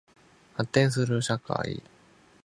発展する社会